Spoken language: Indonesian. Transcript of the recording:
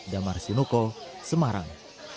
damar sinuko semarang